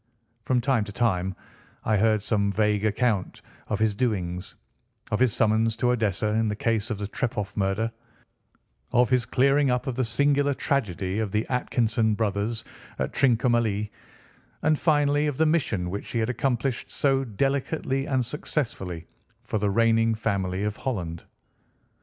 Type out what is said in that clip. From time to time I heard some vague account of his doings: of his summons to Odessa in the case of the Trepoff murder, of his clearing up of the singular tragedy of the Atkinson brothers at Trincomalee, and finally of the mission which he had accomplished so delicately and successfully for the reigning family of Holland.